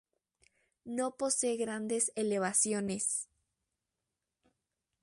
No posee grandes elevaciones.